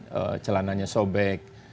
kalau celananya sobek